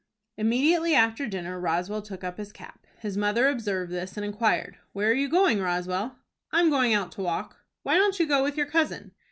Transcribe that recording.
Immediately after dinner Roswell took up his cap. His mother observed this, and inquired, "Where are you going, Roswell?" "I'm going out to walk." "Why don't you go with your cousin?"